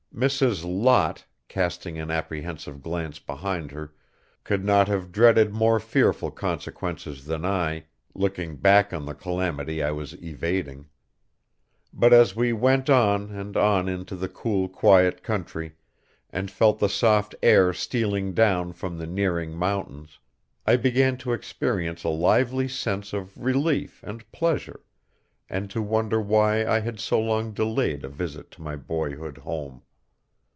Mrs. Lot, casting an apprehensive glance behind her, could not have dreaded more fearful consequences than I, looking back on the calamity I was evading. But as we went on and on into the cool, quiet country, and felt the soft air stealing down from the nearing mountains, I began to experience a lively sense of relief and pleasure, and to wonder why I had so long delayed a visit to my boyhood home.